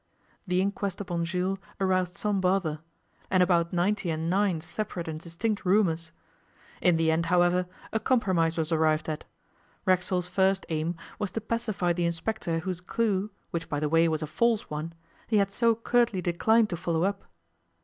The inquest upon Jules aroused some bother; and about ninety and nine separate and distinct rumours. In the end, however, a compromise was arrived at. Racksole's first aim was to pacify the inspector whose clue, which by the way was a false one, he had so curtly declined to follow up.